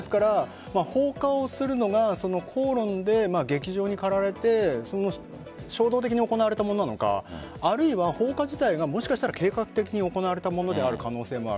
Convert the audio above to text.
放火をするのが口論で激情にかられて衝動的に行われたものなのかあるいは放火自体がもしかしたら計画的に行われたものである可能性がある。